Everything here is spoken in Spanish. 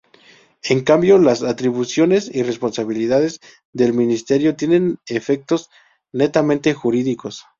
En cambio, las atribuciones y responsabilidades del Ministerio tienen efectos netamente jurídicos.